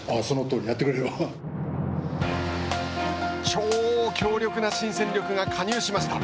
超強力な新戦力が加入しました。